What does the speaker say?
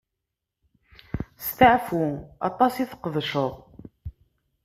Steɛfu aṭas i tqedceḍ.